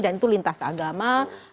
dan itu lintas agama